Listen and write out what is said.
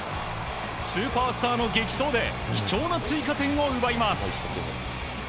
スーパースターの激走で貴重な追加点を奪います。